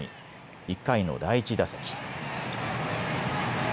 １回の第１打席。